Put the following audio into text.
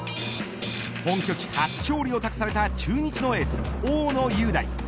本拠地初勝利を託された駐日のエース大野雄大。